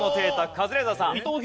カズレーザーさん。